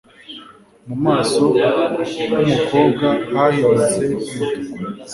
Mu maso humukobwa hahindutse umutuku